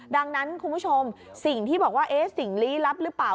ดังนั้นคุณผู้ชมสิ่งที่บอกว่าสิ่งลี้ลับหรือเปล่า